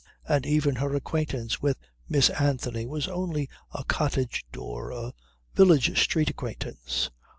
And even her acquaintance with Miss Anthony was only a cottage door, a village street acquaintance.